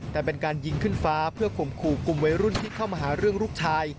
แต่เป็นการยิงขึ้นฟ้าเพื่อข่มขู่กลุ่มวัยรุ่นที่เข้ามาหาเรื่องลูกชาย